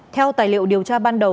theo tài liệu điều tra ban đầu